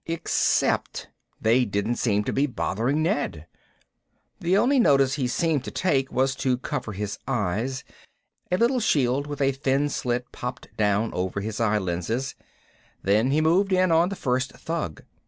Except they didn't seem to be bothering Ned. The only notice he seemed to take was to cover his eyes. A little shield with a thin slit popped down over his eye lenses. Then he moved in on the first thug.